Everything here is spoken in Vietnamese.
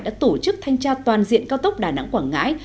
đã tổ chức thanh tra toàn diện cao tốc đà nẵng quảng ngãi